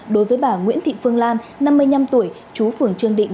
đối với bà nguyễn thị phương lan năm mươi năm tuổi chú phường trương định